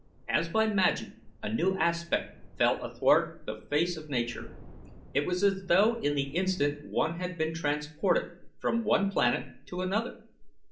As by magic a new aspect fell athwart the face of Nature. It was as though in the instant one had been transported from one planet to another.